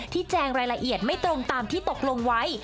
แจงรายละเอียดไม่ตรงตามที่ตกลงไว้